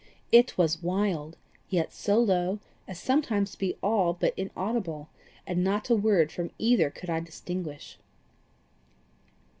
It was wild, yet so low as sometimes to be all but inaudible, and not a word from either could I distinguish.